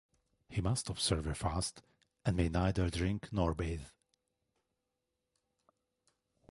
He must observe a fast and may neither drink nor bathe.